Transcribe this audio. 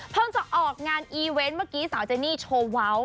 เพิ่งจะออกงานอีเวนท์เมื่อกี้สาวเจนี่โชวาว